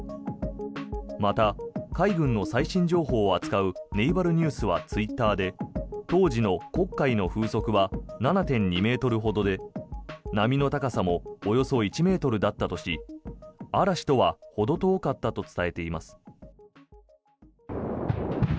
また、海軍の最新情報を扱うネイバルニュースはツイッターで当時の黒海の風速は７．２ｍほどで波の高さもおよそ１ｍだったとし嵐とは、ほど遠かったと伝えています。